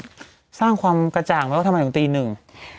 ใครสร้างความกระจ่างแล้วทำไมถึงตีหนึ่ง